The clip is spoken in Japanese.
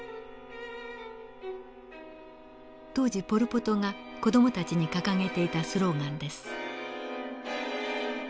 当時ポル・ポトが子どもたちに掲げていたスローガンです。